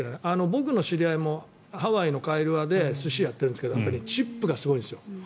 僕の知り合いもハワイで寿司をやってるんですけどチップがすごいんですよ。